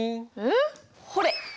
えっ？ほれ！